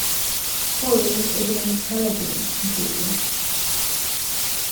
Holly is an "intelligent" computer.